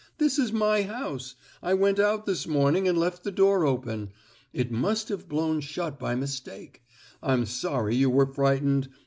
"This is my house. I went out this morning and left the door open. It must have blown shut by mistake. I'm sorry you were frightened.